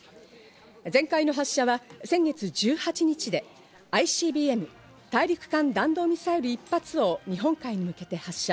前回の発射は先月１８日で、ＩＣＢＭ＝大陸間弾道ミサイル１発を日本海に向けて発射。